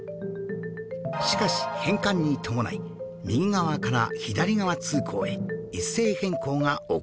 しかし返還に伴い右側から左側通行へ一斉変更が行われたんですよ